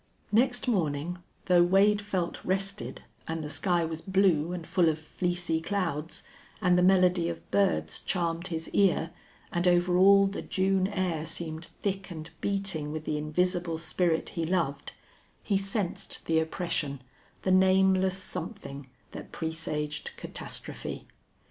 Next morning, though Wade felt rested, and the sky was blue and full of fleecy clouds, and the melody of birds charmed his ear, and over all the June air seemed thick and beating with the invisible spirit he loved, he sensed the oppression, the nameless something that presaged catastrophe.